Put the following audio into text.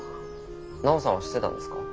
奈央さんは知ってたんですか？